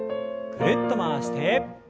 ぐるっと回して。